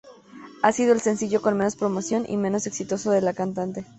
Ha sido el sencillo con menos promoción y menos exitoso de la cantante.